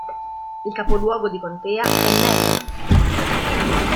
Il capoluogo di contea è Marion.